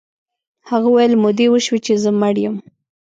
هغه ویل مودې وشوې چې زه مړ یم